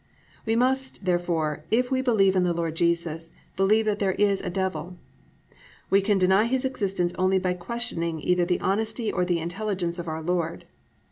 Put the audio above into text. We must, therefore, _if we believe in the Lord Jesus, believe that there is a Devil. We can deny his existence only by questioning either the honesty or the intelligence of our Lord.